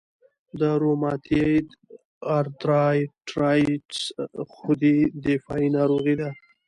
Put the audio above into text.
د روماتویید ارترایټرایټس خودي دفاعي ناروغي ده.